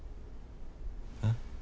えっ？